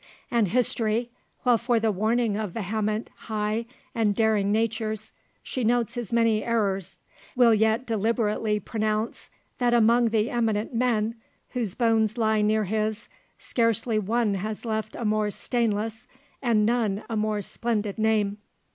_And history, while for the warning of vehement, high, and daring natures, she notes his many errors, will yet deliberately pronounce that among the eminent men whose bones lie near his, scarcely one has left a more stainless, and none a more splendid name_.